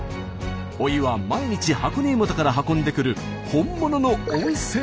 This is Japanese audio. お湯は毎日箱根湯本から運んでくる本物の温泉。